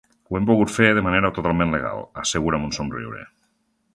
Ho hem pogut fer de manera totalment legal, assegura amb un somriure.